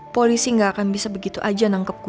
polisi gak akan bisa begitu aja menanggep gue